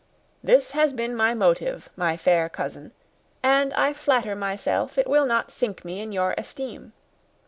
This has been my motive, my fair cousin, and I flatter myself it will not sink me in your esteem.